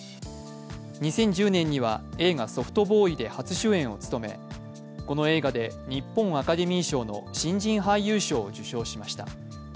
２０１０年には映画「ソフトボーイ」で初主演を務め、この映画で日本アカデミー賞の新人俳優賞を受賞しました。